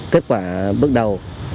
kết quả bước đầu